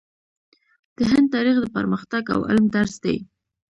د هند تاریخ د پرمختګ او علم درس دی.